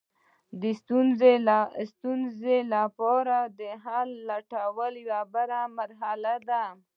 د ستونزې لپاره د حل لټول بله مرحله ده.